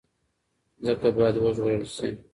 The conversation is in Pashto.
ځمکه باید وژغورل شي.